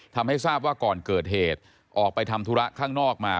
ทำให้ทราบว่าก่อนเกิดเหตุออกไปทำธุระข้างนอกมา